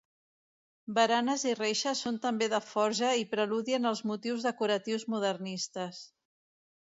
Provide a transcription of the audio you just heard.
Baranes i reixes són també de forja i preludien els motius decoratius modernistes.